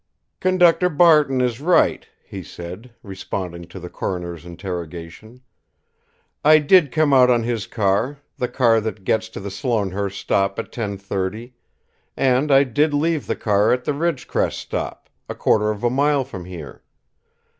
"Conductor Barton is right," he said, responding to the coroner's interrogation. "I did come out on his car, the car that gets to the Sloanehurst stop at ten thirty, and I did leave the car at the Ridgecrest stop, a quarter of a mile from here.